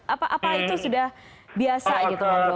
apa itu sudah biasa gitu